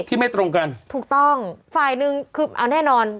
ที่ไม่ตรงกันถูกต้องฝ่ายหนึ่งคือเอาแน่นอน